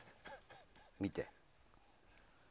見て。